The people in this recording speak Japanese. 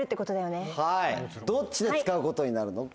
どっちで使うことになるのか。